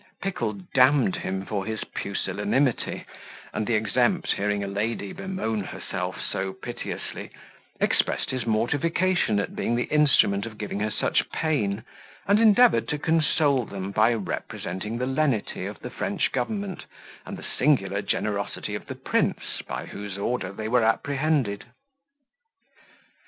Pickle d d him for his pusillanimity; and the exempt hearing a lady bemoan herself so piteously, expressed his mortification at being the instrument of giving her such pain, and endeavoured to console them by representing the lenity of the French government, and the singular generosity of the prince, by whose order they were apprehended.